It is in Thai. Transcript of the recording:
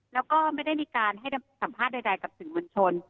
แล้วก็ไม่ได้มีการให้สัมภาษณ์ใดกับสื่อมวลชน